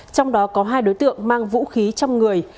trong đó có hai đối tượng mang vũ khí trong người